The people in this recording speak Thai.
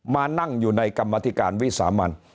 มานั่งอยู่ในกรรมธิการวิสามัน